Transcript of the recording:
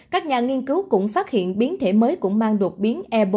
các nhà nghiên cứu cũng phát hiện biến thể mới cũng mang đột biến e bốn